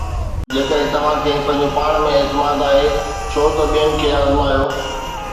جيڪڏهن توهان کي پنهنجو پاڻ ۾ اعتماد آهي، ڇو ته ٻين کي آزمايو؟